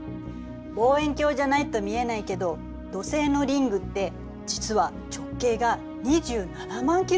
望遠鏡じゃないと見えないけど土星のリングって実は直径が２７万ｋｍもあるのよ。